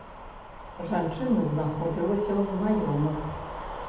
Жанчына знаходзілася ў знаёмых.